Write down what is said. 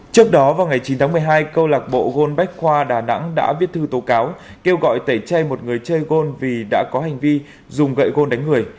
trước đó vào ngày chín tháng một mươi hai câu lạc bộ gôn bách khoa đà nẵng đã viết thư tố cáo kêu gọi tẩy chay một người chơi gold vì đã có hành vi dùng gậy gôn đánh người